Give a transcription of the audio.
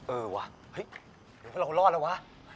เออหอะตรงนี้เรารอดแล้วหรอ